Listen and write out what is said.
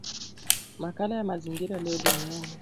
makala ya mazingira leo dunia